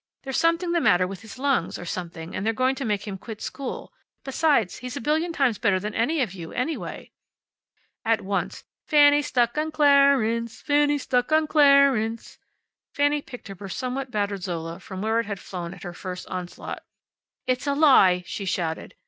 There's something the matter with his lungs, or something, and they're going to make him quit school. Besides, he's a billion times better than any of you, anyway." At once, "Fanny's stuck on Clar ence! Fanny's stuck on Clar ence!" Fanny picked up her somewhat battered Zola from where it had flown at her first onslaught. "It's a lie!" she shouted.